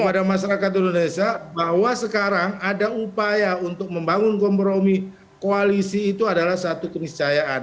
kepada masyarakat indonesia bahwa sekarang ada upaya untuk membangun kompromi koalisi itu adalah satu keniscayaan